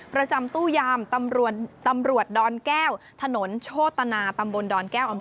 ประจำตู้ยามกดแก้วถโชตนาตำบลดแก้ว